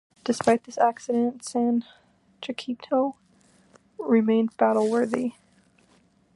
Despite this accident, "San Jacinto" remained battle worthy.